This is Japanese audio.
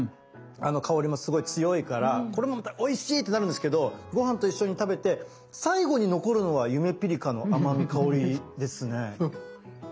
香りもすごい強いからこれもまたおいしいってなるんですけどご飯と一緒に食べて最後に残るのはゆめぴりかの甘み香りですね。